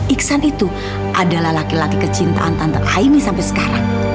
iksan itu adalah laki laki kecintaan tante ahimi sampai sekarang